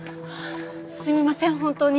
すみません本当に。